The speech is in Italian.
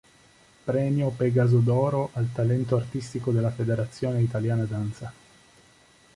Premio “Pegaso d’Oro” al talento artistico dalla Federazione Italiana Danza.